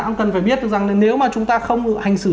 cũng cần phải biết rằng nếu mà chúng ta không hành xử